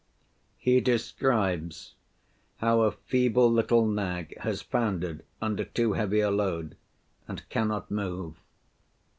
He describes how a feeble little nag has foundered under too heavy a load and cannot move.